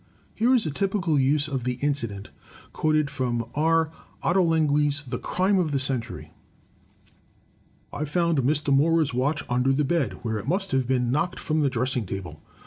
Here is a typical use of this incident quoted from R. Otto lengui's "The Crime of the Century": " I found Mr. Mora's watch under the bed, where it must have been knocked from the dressing table.